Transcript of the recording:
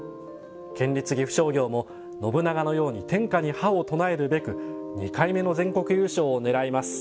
県立岐阜商業も、信長のように天下に覇を唱えるべく２回目の全国優勝を狙います。